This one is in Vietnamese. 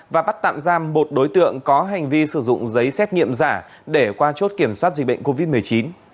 và bắt tạm giam một đối tượng có hành vi sử dụng giấy xét nghiệm giả để qua chốt kiểm soát dịch bệnh covid một mươi chín